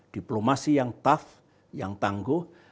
diplomasi yang tough yang tangguh